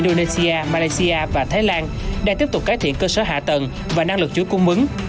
đang tiếp tục cải thiện cơ sở hạ tầng và năng lực chuỗi cung ứng